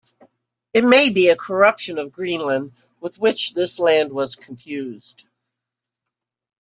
It may be a corruption of 'Greenland,' with which this land was confused.